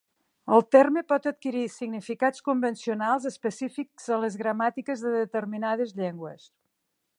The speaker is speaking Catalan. El terme pot adquirir significats convencionals específics a les gramàtiques de determinades llengües.